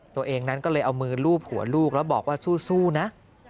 ตัวเองนั้นก็เลยเอามือลูบหัวลูกแล้วบอกว่าสู้นะ